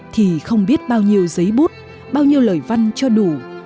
thì không biết bao nhiêu giấy bút bao nhiêu lời văn cho đủ